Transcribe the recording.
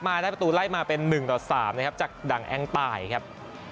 มาได้ประตูไล่มาเป็น๑ต่อ๓นะครับจากดังแองตายครับ